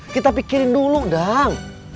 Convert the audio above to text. kita pikirin dulu dang